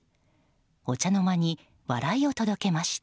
お茶の間に笑いを届けました。